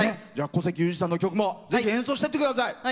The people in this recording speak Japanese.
じゃあ古関裕而さんの曲もぜひ演奏してって下さい。